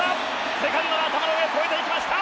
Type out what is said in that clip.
セカンドの頭の上を越えていきました！